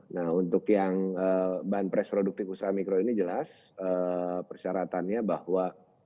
nah untuk yang banpres produktif usaha mikro ini jelas persyaratannya bahwa